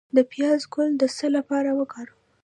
د پیاز ګل د څه لپاره وکاروم؟